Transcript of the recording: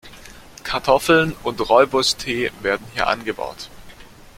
Kartoffeln und Rooibos-Tee werden hier angebaut.